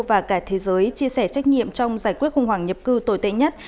và cả thế giới chia sẻ trách nhiệm trong giải quyết khủng hoảng nhập cư tồi tệ nhất